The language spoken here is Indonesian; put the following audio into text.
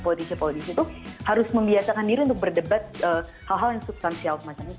politik politik itu harus membiasakan diri untuk berdebat hal hal yang substansial